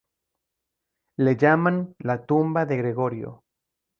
Le llaman la Tumba de Gregorio.